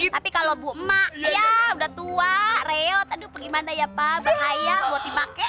tapi kalau bu emak ya udah tua reot aduh gimana ya pak bahaya buat dipakai